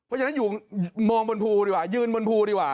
เพราะฉะนั้นอยู่มองบนภูดีกว่ายืนบนภูดีกว่า